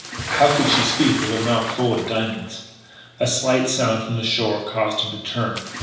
How could she speak with her mouth full of diamonds? A slight sound from the shore caused him to turn.